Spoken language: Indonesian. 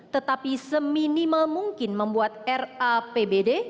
tetapi seminimal mungkin membuat rapbd